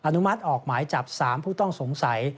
อนุมัติออกหมายจับ๓ผู้ต้องสงสัย